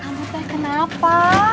kamu teh kenapa